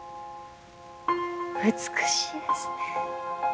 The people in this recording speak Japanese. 美しいですね。